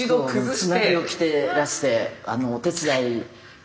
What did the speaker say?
つなぎを着てらしてはい。